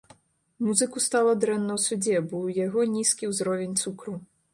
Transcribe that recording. Музыку стала дрэнна ў судзе, бо ў яго нізкі ўзровень цукру.